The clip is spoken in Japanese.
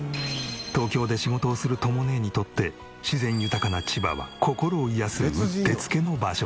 東京で仕事をするとも姉にとって自然豊かな千葉は心を癒やすうってつけの場所。